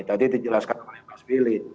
tadi dijelaskan oleh mas willy